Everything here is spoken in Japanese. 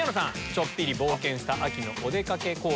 ちょっぴり冒険した秋のお出かけコーデ。